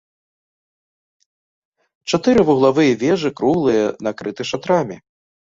Чатыры вуглавыя вежы круглыя, накрыты шатрамі.